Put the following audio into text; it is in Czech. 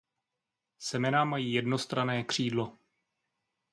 Semena mají jednostranné křídlo.